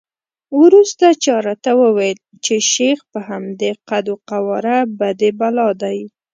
وروسته چا راته وویل چې شیخ په همدې قد وقواره بدي بلا دی.